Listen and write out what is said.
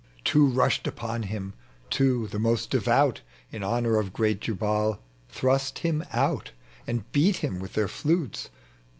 Two rushed upon him : two, the most devout In honor of great Jubal, thrust him out, And beat him with their flutes.